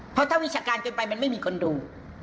เพราะถ้าวิชาการเกินไปมันไม่มีคนดู